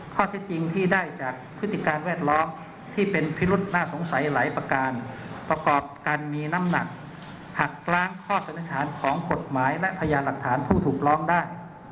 ข้อเท็จจริงที่ได้จากพฤติการแวดล้อมที่เป็นพิรุษน่าสงสัยหลายประการประกอบกันมีน้ำหนักหักล้างข้อสันนิษฐานของกฎหมายและพยานหลักฐานผู้ถูกร้องได้